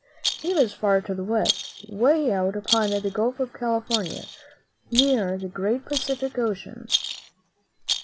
He was far to the West, way out upon the Gulf of California, near the great Pacific Ocean.